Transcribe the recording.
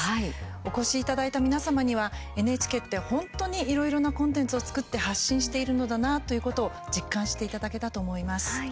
お越しいただいた皆様にはＮＨＫって本当にいろいろなコンテンツを作って発信しているのだなということを実感していただけたと思います。